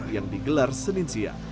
yang digelar seninsia